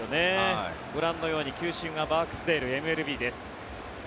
ご覧のように球審はバークスデールＭＬＢです。